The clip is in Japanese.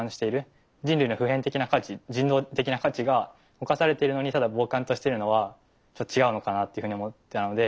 人類の普遍的な価値人道的な価値が侵されているのにただ傍観としてるのは違うのかなっていうふうに思ったので。